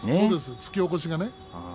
突き起こしがね。